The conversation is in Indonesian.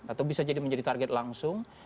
atau bisa jadi menjadi target langsung